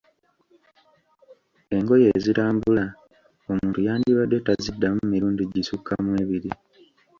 Engoye ezitambula, omuntu yandibadde taziddamu mirundi gisukka mu ebiri.